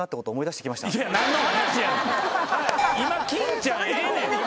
今金ちゃんええねん！